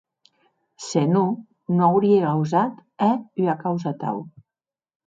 Se non, non aurie gausat hèr ua causa atau.